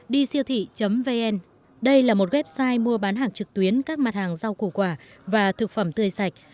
de siêu thị vn đây là một website mua bán hàng trực tuyến các mặt hàng rau củ quả và thực phẩm tươi sạch